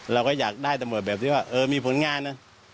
เราก็อยากได้ตำรวจแบบที่ว่าเออมีผลงานนะ